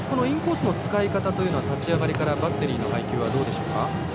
インコースの使い方は立ち上がりから、バッテリーの配球はどうでしょうか？